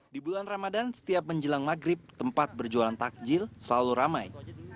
di bulan ramadan setiap menjelang maghrib tempat berjualan takjil selalu ramai